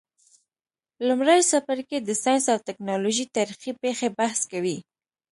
لمړی څپرکی د ساینس او تکنالوژۍ تاریخي پیښي بحث کوي.